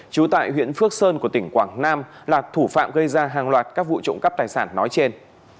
trú tại huyện phước sơn của tỉnh quảng nam là thủ phạm gây ra hàng loạt các vụ trộm cắp tài sản nói trên